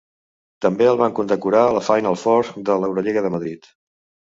També el van condecorar a la Final Four de l'Eurolliga de Madrid.